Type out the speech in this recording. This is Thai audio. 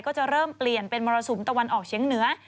ก็จะเริ่มเปลี่ยนเป็นมรสุมตะวันออกเชียงเหนือ